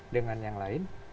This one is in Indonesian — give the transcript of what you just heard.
dengan yang lain